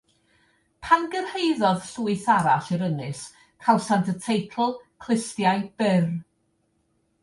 Pan gyrhaeddodd llwyth arall i'r Ynys, cawsant y teitl 'Clustiau Byr'.